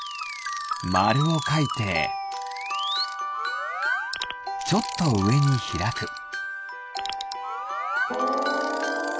まるをかいてちょっとうえにひらく。